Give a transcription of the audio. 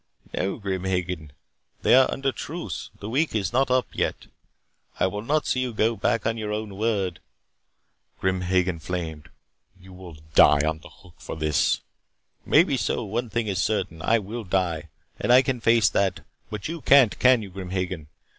"No, Grim Hagen. They are under truce. The week is not yet up. I will not see you go back on your own word " Grim Hagen flamed. "You will die on the hook for this " "Maybe so. One thing is certain: I will die. And I can face it. But you can't, can you, Grim Hagen?